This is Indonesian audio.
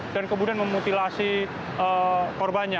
dan kemudian memutilasi korbannya